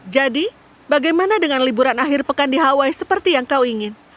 jadi bagaimana dengan liburan akhir pekan di hawaii seperti yang kau ingin